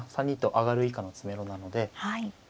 ３二と上以下の詰めろなので。